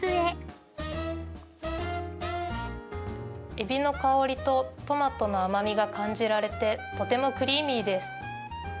エビの香りとトマトの甘みが感じられて、とてもクリーミーです。